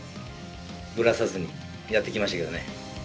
ブラさずにやってきましたけどね。